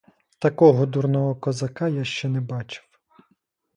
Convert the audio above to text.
Такого дурного козака я ще не бачив.